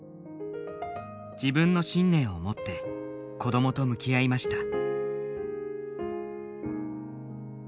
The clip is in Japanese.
自分の信念を持って子どもと向き合いました。